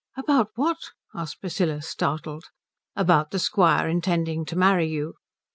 "About what?" asked Priscilla, startled. "About the squire intending to marry you."